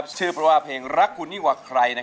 เช่นว่าเพลงรักคุณุิกว่าใคร